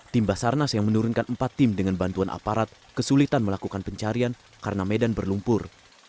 tim basarnas yang menurunkan empat tim dengan bantuan aparat kesulitan melakukan pencarian karena medan berlumpur